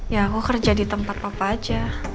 ya aku kerja di tempat apa aja